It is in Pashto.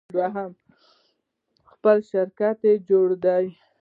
دوهم د خپل شرکت جوړول دي.